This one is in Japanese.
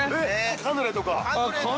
◆カヌレとか。